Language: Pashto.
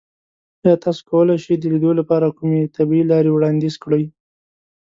ایا تاسو کولی شئ د لیدو لپاره کومې طبیعي لارې وړاندیز کړئ؟